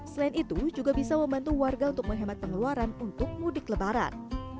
selain itu juga bisa membantu warga untuk menghemat pengeluaran untuk mudik lebaran